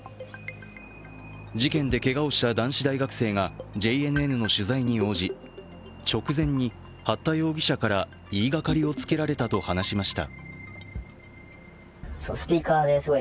事件でけがをした男子大学生がＪＮＮの取材に応じ、直前に八田容疑者から言いがかりをつけられたと話しました。